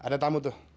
ada tamu tuh